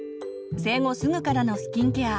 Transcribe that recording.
生後すぐからのスキンケア